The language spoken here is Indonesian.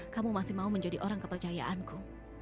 kamu masih mau menjadi orang kepercayaanku